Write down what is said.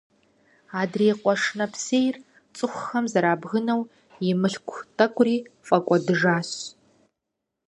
Адрей къуэш нэпсейр цӀыхухэм зэрабгынэу, и мылъку тӀэкӀури фӀэкӀуэдыжащ.